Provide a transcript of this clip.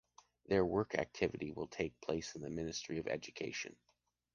Their work activity will take place in the Ministry of Education.